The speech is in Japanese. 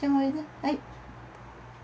はい。